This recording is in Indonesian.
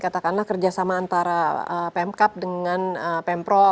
katakanlah kerjasama antara pemkap dengan pemprov